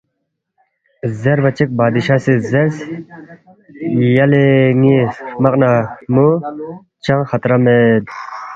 زیربا چِک بادشاہ سی زیرس، یلے ن٘ی ہرمق نہ ہرمُو چنگ خطرہ مید